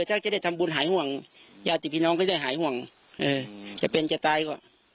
ถ้าจะได้ทำบุญหายห่วงญาติพี่น้องก็ได้หายห่วงเออจะเป็นจะตายก็